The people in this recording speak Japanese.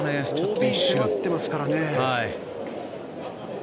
ＯＢ迫ってますからね。